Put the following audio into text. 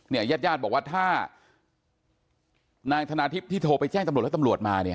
ญาติญาติบอกว่าถ้านางธนาทิพย์ที่โทรไปแจ้งตำรวจแล้วตำรวจมาเนี่ย